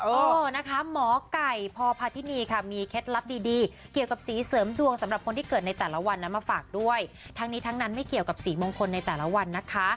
เออนะคะหมอไก่พพาธินีค่ะมีเคล็ดลับดีดีเกี่ยวกับสีเสริมดวงสำหรับคนที่เกิดในแต่ละวันนั้นมาฝากด้วยทั้งนี้ทั้งนั้นไม่เกี่ยวกับสีมงคลในแต่ละวันนะคะ